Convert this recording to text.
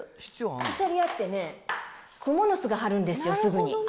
イタリアってね、くもの巣が張るんですよ、すぐに。